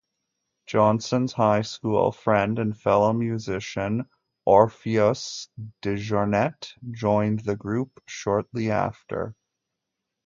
Johnston's highschool friend and fellow musician Orpheos Dejournette joined the group shortly after.